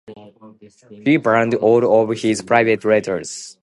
He burned all of his private letters.